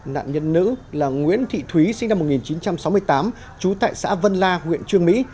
nạn nhân nữ là nguyễn thị thúy sinh năm một nghìn chín trăm sáu mươi tám trú tại xã vân la huyện trương mỹ